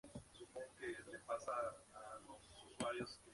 Su reinado fue el de mayor florecimiento cultural y social de Texcoco.